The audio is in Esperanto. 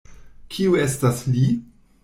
Kiu estas li?